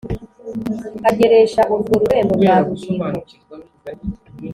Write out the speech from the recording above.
Ageresha urwo rurembo rwa rubingo,